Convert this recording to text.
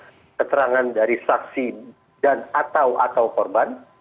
pertama keterangan dari saksi dan atau atau korban